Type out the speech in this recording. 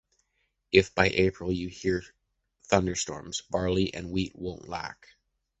If by April you hear thunderstorms, barley and wheat won’t lack.